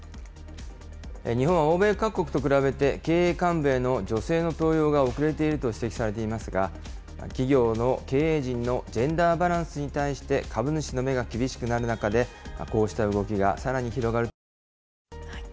日本は欧米各国と比べて経営幹部への女性の登用が遅れていると指摘されていますが、企業の経営陣のジェンダーバランスに対して株主の目が厳しくなる中で、こうした動きがさらに広がると見られています。